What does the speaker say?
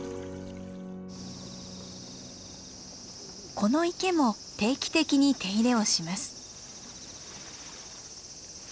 この池も定期的に手入れをします。